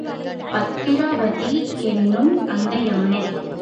பத்திராபதி என்னும் அந்த யானை.